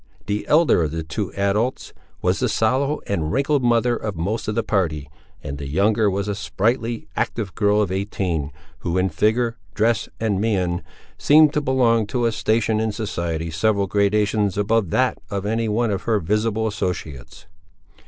The elder of the two adults, was the sallow and wrinkled mother of most of the party, and the younger was a sprightly, active, girl, of eighteen, who in figure, dress, and mien, seemed to belong to a station in society several gradations above that of any one of her visible associates.